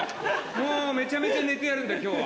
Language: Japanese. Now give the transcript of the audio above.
もうめちゃめちゃ寝てやるんだ今日は。